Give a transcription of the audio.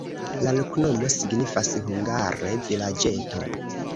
La loknomo signifas hungare: vilaĝeto.